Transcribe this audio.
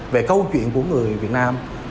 về câu chuyện của người việt nam